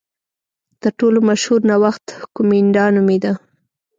تر ټولو مشهور نوښت کومېنډا نومېده.